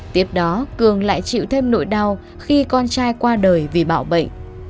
tiếp đó cường lại chịu thêm nỗi đau khi con trai qua đời vì bạo bệnh